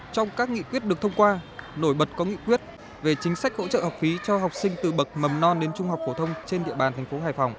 trong các nghị quyết được thông qua nổi bật có nghị quyết về chính sách hỗ trợ học phí cho học sinh từ bậc mầm non đến trung học phổ thông trên địa bàn thành phố hải phòng